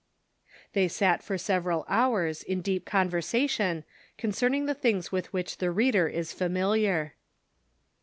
They sat for several hours in deep conversation concern ing the things with which the reader is familiar.